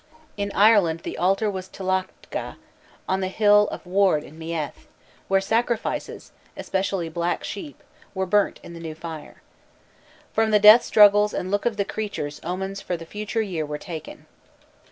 In Ireland the altar was Tlactga, on the hill of Ward in Meath, where sacrifices, especially black sheep, were burnt in the new fire. From the death struggles and look of the creatures omens for the future year were taken.